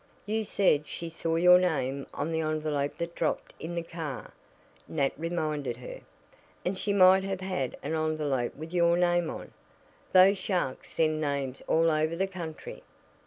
"You said she saw your name on the envelope that dropped in the car," Nat reminded her, "and she might have had an envelope with your name on. Those sharks send names all over the country."